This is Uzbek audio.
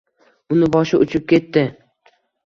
Uni boshi uchib ketdi.